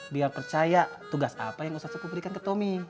biar percaya tugas apa yang ustadz ustadz berikan ke tomi